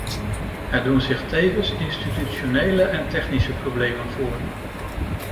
Er doen zich tevens institutionele en technische problemen voor.